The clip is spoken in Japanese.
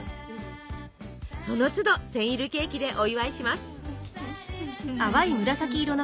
その都度センイルケーキでお祝いします。